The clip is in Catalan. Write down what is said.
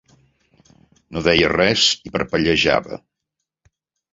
No deia res i parpellejava.